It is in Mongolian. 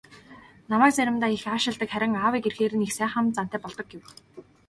"Намайг заримдаа их аашилдаг, харин аавыг ирэхээр их сайхан зантай болдог" гэв.